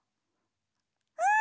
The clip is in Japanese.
うん！